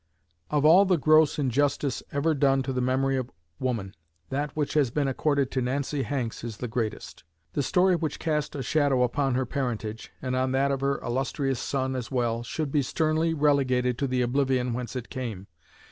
Of all the gross injustice ever done to the memory of woman, that which has been accorded to Nancy Hanks is the greatest. The story which cast a shadow upon her parentage, and on that of her illustrious son as well, should be sternly relegated to the oblivion whence it came.